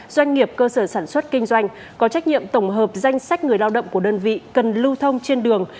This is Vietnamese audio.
doanh nghiệp cơ sở sản xuất kinh doanh có trách nhiệm tổng hợp danh sách người lao động của đơn vị cần lưu thông trên đường